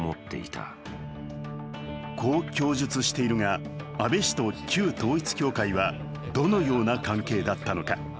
逮捕当時、山上容疑者はこう供述しているが、安倍氏と旧統一教会はどのような関係だったのか。